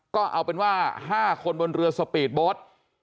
ก็เอาเป็นว่า๕คนบนเรือสปีดโบ๊ท